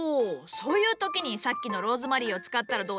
そういう時にさっきのローズマリーを使ったらどうじゃ？